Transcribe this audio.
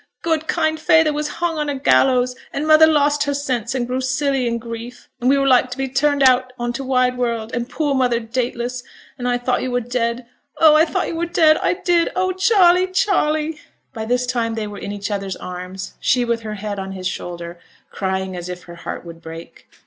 good kind feyther was hung on a gallows; and mother lost her sense and grew silly in grief, and we were like to be turned out on t' wide world, and poor mother dateless and I thought yo' were dead oh! I thought yo' were dead, I did oh, Charley, Charley!' By this time they were in each other's arms, she with her head on his shoulder, crying as if her heart would break.